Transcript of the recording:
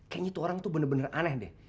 kayaknya tuh orang tuh bener bener aneh deh